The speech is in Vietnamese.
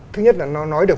thứ nhất là nó nói được